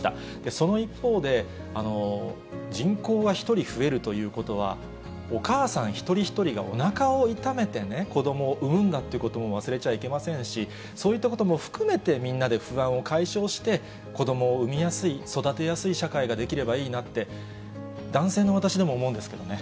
その一方で、人口が１人増えるということは、お母さん一人一人がおなかを痛めて子どもを産むんだということも忘れちゃいけませんし、そういったことも含めて、みんなで不安を解消して、子どもを産みやすい、育てやすい社会ができればいいなって、男性の私でも思うんですけどね。